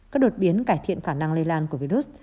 các đột biến cải thiện khả năng lây lan của virus